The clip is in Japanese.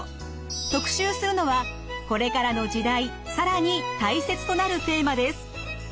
特集するのはこれからの時代更に大切となるテーマです。